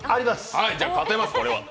じゃあ勝てます、これは。